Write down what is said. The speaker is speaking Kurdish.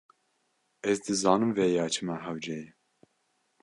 Ez dizanim vêya çima hewce ye.